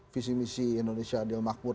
visi misi indonesia adil makmur